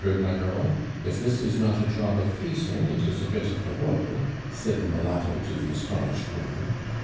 "Very good, my girl. If this is not a job of fleecing, it is a bit of the wool," said the mulatto to the astonished woman.